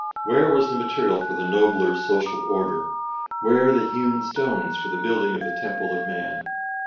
Where was the material for the nobler Social Order, where the hewn stones for the building of the Temple of Man?